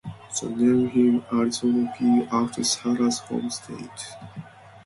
They name him Arizona Pie after Sarah's home state.